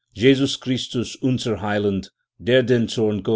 Jesus Christus unser Heiland, der den Tod (V, No.